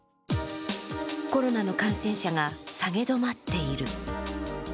コロナの感染者が下げ止まっている。